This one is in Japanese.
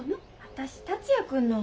私達也君の。